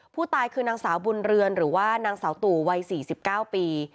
ผู้ตายคือนางสาวบุญเรือนหรือว่านางสาวตู่วัย๔๙ปี